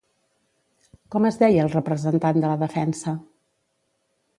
Com es deia el representant de la defensa?